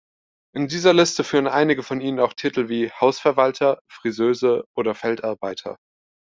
In dieser Liste führen einige von ihnen auch Titel, wie "Hausverwalter", "Friseuse" oder "Feldarbeiter".